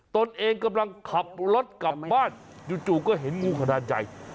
ตนเองกำลังขับรถกลับบ้านจู่ก็เห็นงูขนาดใหญ่